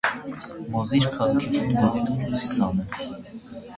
Մոզիր քաղաքի ֆուտբոլի դպրոցի սան է։